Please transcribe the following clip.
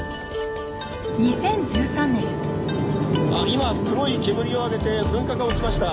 「今黒い煙をあげて噴火が起きました」。